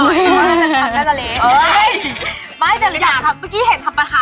เมื่อสักครั้งเมื่อกี้เนี้ยรู้ว่าแม่บ้านจริงคิดทำเป็นไง